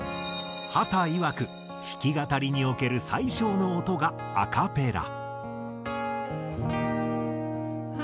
秦いわく弾き語りにおける最小の音がアカペラ。